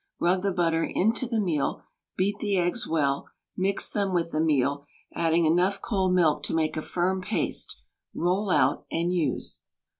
Rub the butter into the meal, beat the eggs well, mix them with the meal, adding enough cold milk to make a firm paste, roll out and use.